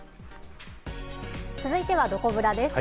続いては、どこブラです。